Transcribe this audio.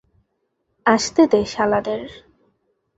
আসতে দে শালাদের।